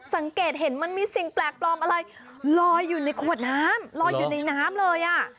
สังเกตเห็นมันมีสิ่งแปลกปลอมอะไรลอยอยู่ในขวดน้ำลอยอยู่ในน้ำเลยอ่ะ